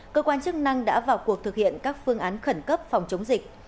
cơ quan chức năng đã vào cuộc thực hiện các phương án khẩn cấp phòng chống dịch